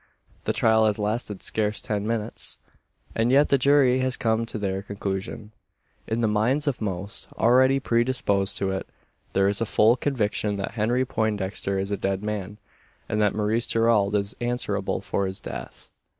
The trial has lasted scarce ten minutes; and yet the jury have come to their conclusion. In the minds of most already predisposed to it there is a full conviction that Henry Poindexter is a dead man, and that Maurice Gerald is answerable for his death.